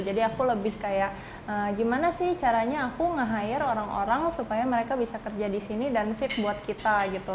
jadi aku lebih kayak gimana sih caranya aku nge hire orang orang supaya mereka bisa kerja di sini dan fit buat kita gitu